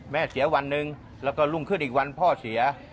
เสียวันหนึ่งแล้วก็รุ่งขึ้นอีกวันพ่อเสีย